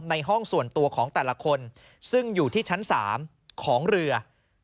ในห้องส่วนตัวของแต่ละคนซึ่งอยู่ที่ชั้น๓ของเรือ